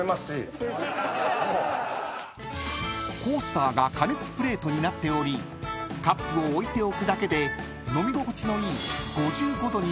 ［コースターが加熱プレートになっておりカップを置いておくだけで飲み心地のいい］